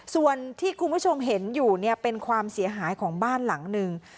ส่วนที่คุณผู้ชมเห็นอยู่เป็นความเสียหายของบ้านหลังหนึ่ง